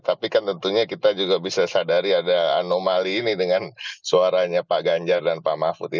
tapi kan tentunya kita juga bisa sadari ada anomali ini dengan suaranya pak ganjar dan pak mahfud